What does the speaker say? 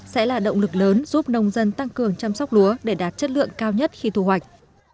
sẽ là động lực lớn giúp nông dân tăng cường chăm sóc lúa để đạt chất lượng cao nhất khi thu hoạch